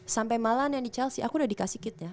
sampe malahan yang di chelsea aku udah dikasih kitnya